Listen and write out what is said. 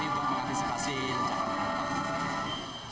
ini untuk mengantisipasi lonjakan penumpang